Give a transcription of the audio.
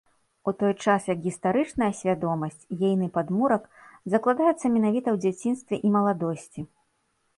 У той час як гістарычная свядомасць, ейны падмурак, закладаецца менавіта ў дзяцінстве і маладосці.